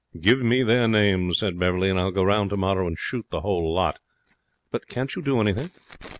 'Give me their names,' said Beverley, 'and I'll go round tomorrow and shoot the whole lot. But can't you do anything?'